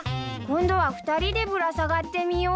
今度は２人でぶら下がってみようよ。